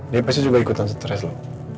dia pasti juga ikutan stres loh